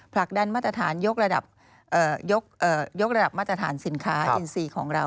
ผลักดันมาตรฐานยกระดับยกระดับมาตรฐานสินค้าอินซีของเรา